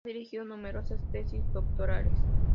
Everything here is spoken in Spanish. Ha dirigido numerosas tesis doctorales.